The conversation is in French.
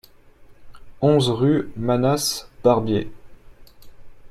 onze rue Manasses Barbier